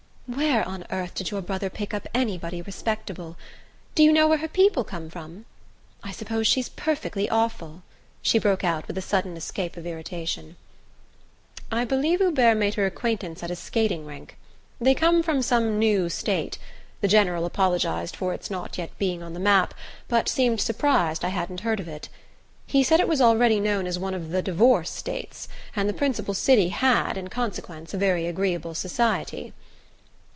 "Where on earth did your brother pick up anybody respectable? Do you know where her people come from? I suppose she's perfectly awful," she broke out with a sudden escape of irritation. "I believe Hubert made her acquaintance at a skating rink. They come from some new state the general apologized for its not yet being on the map, but seemed surprised I hadn't heard of it. He said it was already known as one of 'the divorce states,' and the principal city had, in consequence, a very agreeable society.